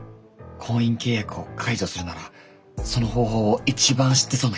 婚姻契約を解除するならその方法を一番知ってそうな人が来た。